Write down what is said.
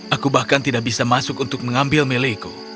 aku bahkan tidak bisa masuk untuk mengambil meleco